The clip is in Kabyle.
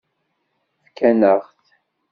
Fkan-aɣ-t.